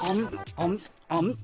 あむあむ。